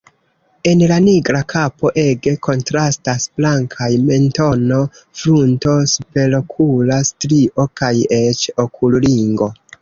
En la nigra kapo ege kontrastas blankaj mentono, frunto, superokula strio kaj eĉ okulringo.